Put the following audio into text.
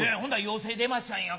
陽性出ましたんや。